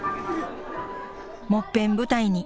もっぺん舞台に。